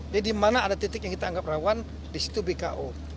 jadi di mana ada titik yang kita anggap rawan di situ bku